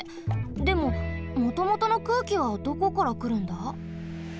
でももともとの空気はどこからくるんだ？